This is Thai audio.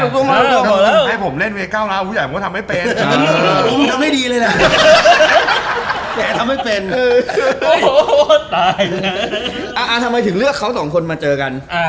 ทำไมถึงเลือกเขาสองคนมาเจอกัน